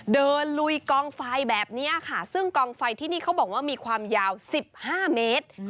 ลุยกองไฟแบบนี้ค่ะซึ่งกองไฟที่นี่เขาบอกว่ามีความยาว๑๕เมตร